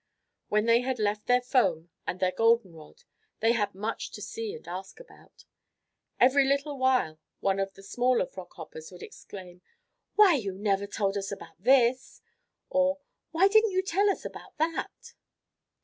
When they had left their foam and their golden rod, they had much to see and ask about. Every little while one of the smaller Frog Hoppers would exclaim, "Why, you never told us about this!" or, "Why didn't you tell us about that?"